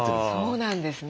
そうなんですね。